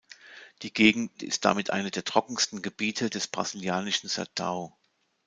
Die Gegend ist damit eine der trockensten Gebiete des brasilianischen Sertão.